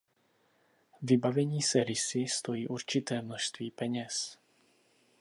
Vybavení se rysy stojí určité množství peněz.